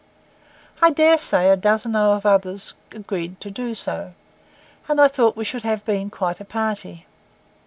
I dare say a dozen of others agreed to do so, and I thought we should have been quite a party.